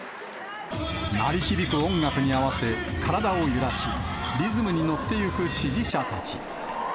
鳴り響く音楽に合わせ、体を揺らし、リズムに乗っていく支持者たち。